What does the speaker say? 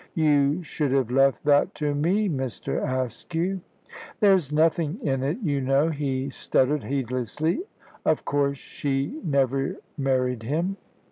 "You should have left that to me, Mr. Askew." "There's nothing in it, you know," he stuttered, heedlessly. "Of course, she never married him."